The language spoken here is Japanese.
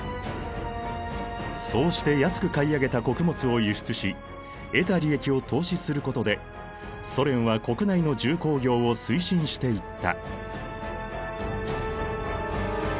そうして安く買い上げた穀物を輸出し得た利益を投資することでソ連は国内の重工業を推進していった。